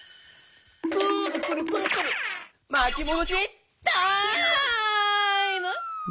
くるくるくるくるまきもどしタイム！